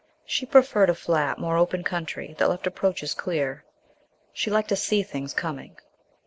She preferred a flat, more open country that left approaches clear. She liked to see things coming.